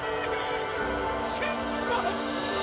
信じます！